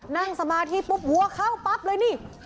นั่งสมาธิปุ๊บวัวเข้าปั๊บเลยนี่